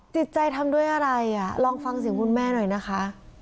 จิตใจทำด้วยอะไรอ่ะลองฟังเสียงคุณแม่หน่อยนะคะ